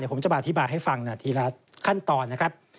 เดี๋ยวผมจะอธิบายให้ฟังหน่อทีละขั้นตอนนะครับ